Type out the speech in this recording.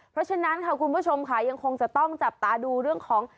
เพราะฉะนั้นค่ะคุณผู้ชมค่ะยังคงจะต้องจับตาดูเรื่องของ